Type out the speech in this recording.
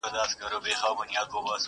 ما در کړي د اوربشو انعامونه!.